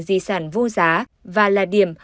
di sản vô giá và là điểm